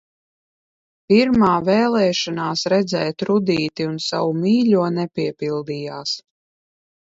Pirmā vēlēšanās, redzēt Rudīti un savu mīļo nepiepildījās.